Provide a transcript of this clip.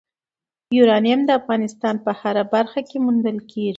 یورانیم د افغانستان په هره برخه کې موندل کېږي.